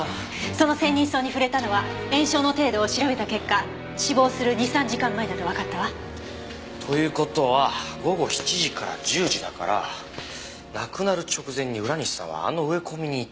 そのセンニンソウに触れたのは炎症の程度を調べた結果死亡する２３時間前だとわかったわ。という事は午後７時から１０時だから亡くなる直前に浦西さんはあの植え込みにいた。